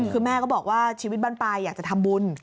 คือแม่ก็บอกว่าชีวิตบ้านปลายอยากจะทำบุญ